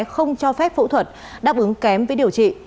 không cho phép phẫu thuật đáp ứng kém với điều trị